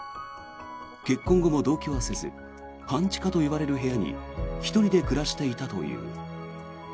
結婚後も同居はせず半地下といわれる部屋に１人で暮らしていたという。